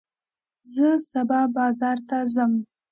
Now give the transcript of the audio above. زه سبا بازار ته ځم.